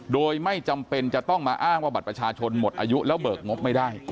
โดยไม่จำเป็นจะต้องมาอ้างว่าบัตรประชาชนหมดอายุแล้วเบิกงบไม่ได้